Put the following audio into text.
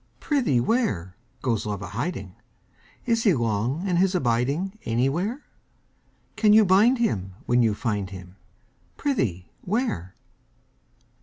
Prithee where, Goes Love a hiding? Is he long in his abiding Anywhere? Can you bind him when you find him; Prithee, where?